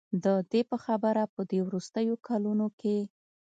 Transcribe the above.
د دې په خبره په دې وروستیو کلونو کې